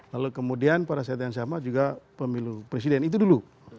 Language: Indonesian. lalu kemudian pada saat yang sama juga pemilu presiden itu dulu